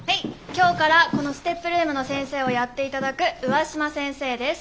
今日からこのＳＴＥＰルームの先生をやっていただく上嶋先生です。